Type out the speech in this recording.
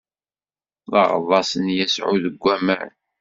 D aɣḍaṣ n Yasuɛ deg waman.